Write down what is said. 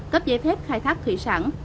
cấp giấy phép khai thác thủy sản